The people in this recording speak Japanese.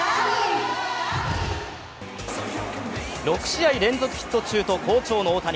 ６試合連続ヒット中と好調の大谷。